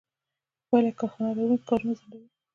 په پایله کې کارخانه لرونکي کارونه ځنډوي